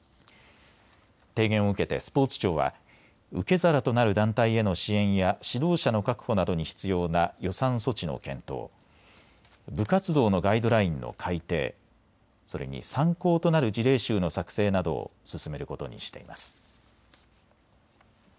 提言を受けてスポーツ庁は受け皿となる団体への支援や指導者の確保などに必要な予算措置の検討、部活動のガイドラインの改定、それに参考となる事例集の作成などを進めることにしています。